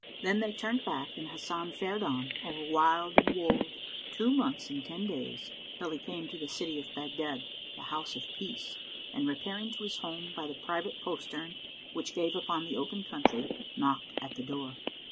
Then they turned back and Hasan fared on, over wild and wold, two months and ten days, till he came to the city of Baghdad, the House of Peace, and repairing to his home by the private postern which gave upon the open country, knocked at the door.